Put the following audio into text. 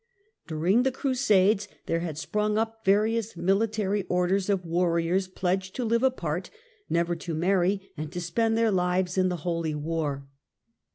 During the Crusades there had sprung up various military orders of warriors pledged to live apart, never to marry, and to spend their lives in the Holy War.